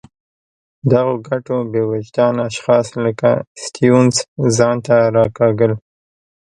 دغو ګټو بې وجدان اشخاص لکه سټیونز ځان ته راکاږل.